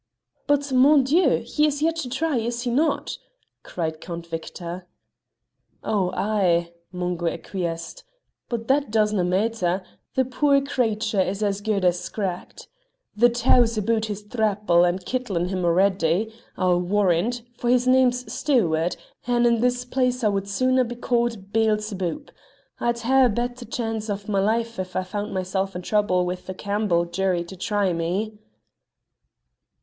"But, mon Dieu! he is yet to try, is he not?" cried Count Victor. "Oh ay!" Mungo acquiesced, "but that doesna' maitter; the puir cratur is as guid as scragged. The tow's aboot his thrapple and kittlin' him already, I'll warrant, for his name's Stewart, and in this place I would sooner be ca'd Beelzebub; I'd hae a better chance o' my life if I found mysel' in trouble wi' a Campbell jury to try me."